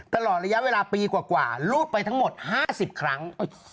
ตลอดระยะเวลาปีกว่ารูดไปทั้งหมด๕๐ครั้ง